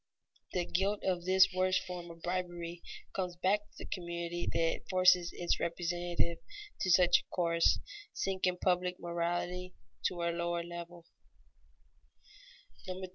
The guilt of this worst form of bribery comes back to the community that forces its representatives to such a course, sinking public morality to a lower level.